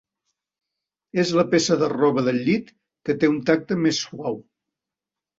És la peça de roba del llit que té un tacte més suau.